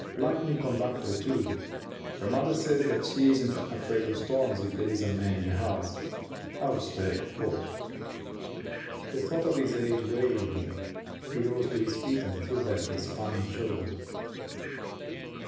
Lightning conductor, too your mother says she isn't afraid of storms if there is a man in the house. I'll stay, of course." The thought of his age weighed on him. He rose to his feet and threw back his fine shoulders.